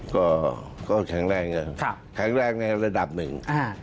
ก็แข็งแรงแข็งแรงในระดับหนึ่ง